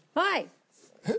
えっ？